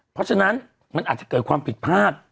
เพราะฉะนั้นมันอาจจะเกิดความผิดพลาด